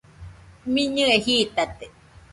Miñɨe jitate.